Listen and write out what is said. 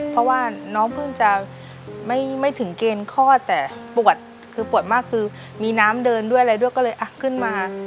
เพราะว่าน้องเพิ่งจะไม่ถึงเกณฑ์คลอดแต่ปวดคือปวดมากคือมีน้ำเดินด้วยอะไรด้วยก็เลยอ่ะขึ้นมา